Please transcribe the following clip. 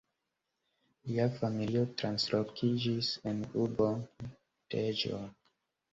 Lia familio translokiĝis en urbon Deĵo.